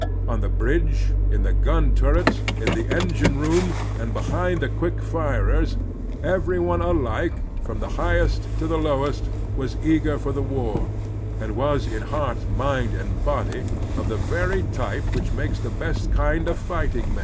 On the bridge, in the gun turrets, in the engine room, and behind the quick firers, every one alike, from the highest to the lowest, was eager for the war, and was, in heart, mind, and body, of the very type which makes the best kind of fighting man.